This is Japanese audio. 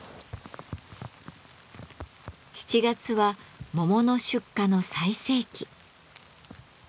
７月は桃の出荷の最盛期。